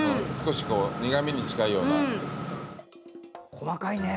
細かいね。